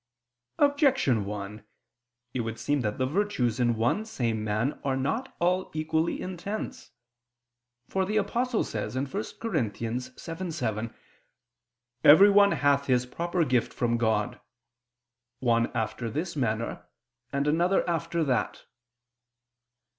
Objection 1: It would seem that the virtues in one same man are not all equally intense. For the Apostle says (1 Cor. 7:7): "Everyone hath his proper gift from God; one after this manner, and another after that."